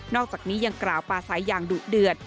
อกจากนี้ยังกล่าวปลาใสอย่างดุเดือด